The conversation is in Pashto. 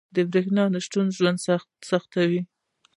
• د برېښنا نه شتون ژوند سختوي.